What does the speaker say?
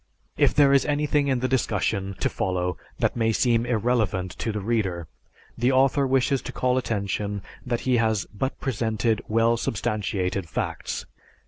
If there is anything in the discussion to follow that may seem irreverent to the reader, the author wishes to call attention that he has but presented well substantiated facts.